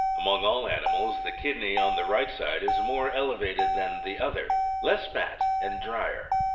Among all animals, the kidney on the right side is more elevated than the other, less fat, and drier.